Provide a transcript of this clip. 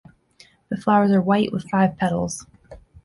The flowers are white, with five petals.